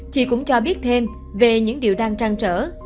chị cũng cho biết thêm về những điều đang trăn trở